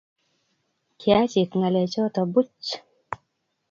Kyachit ngalechoto buuch